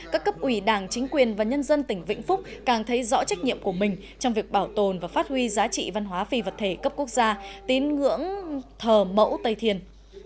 các cấp ủy đảng chính quyền và nhân dân tỉnh vĩnh phúc càng thấy rõ trách nhiệm của mình trong việc bảo tồn và phát huy giá trị văn hóa phi vật thể cấp quốc gia tín ngưỡng thờ mẫu tây thiên